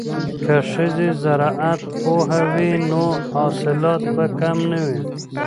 که ښځې زراعت پوهې وي نو حاصلات به کم نه وي.